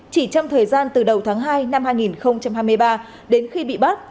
chỉ trong thời gian từ đầu tháng hai năm hai nghìn hai mươi ba đến khi bị bắt